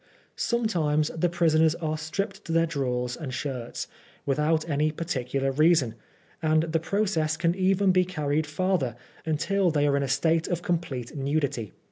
Sometimes the prisoners are stripped to their drawers or shirts, without any particular reason ; and the process can even be carried farther, until they are in a state of complete nudity.